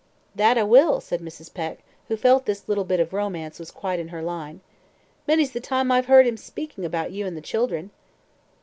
"That I will," said Mrs. Peck, who felt this little bit of romance was quite in her line. "Many's the time I've heard him speaking about you and the children."